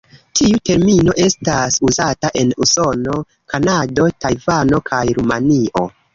Tiu termino estas uzata en Usono, Kanado, Tajvano kaj Rumanio.